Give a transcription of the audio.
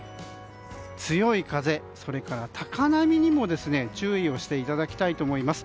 強い風、それから高波にも注意をしていただきたいと思います。